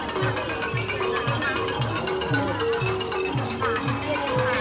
สวัสดีครับข้างหลังครับ